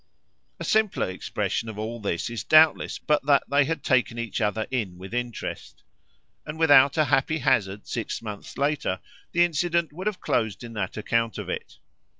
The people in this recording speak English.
A simpler expression of all this is doubtless but that they had taken each other in with interest; and without a happy hazard six months later the incident would have closed in that account of it.